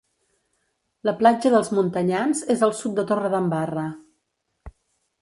La platja dels Muntanyans és al sud de Torredembarra